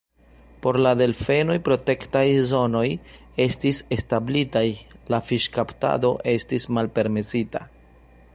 Por la delfenoj protektaj zonoj estis establitaj, la fiŝkaptado estis malpermesita.